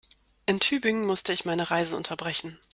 In Tübingen musste ich meine Reise unterbrechen